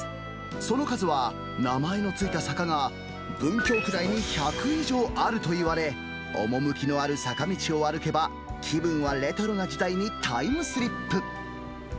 その数は、名前の付いた坂が文京区内に１００以上あるといわれ、趣のある坂道を歩けば、気分はレトロな時代にタイムスリップ。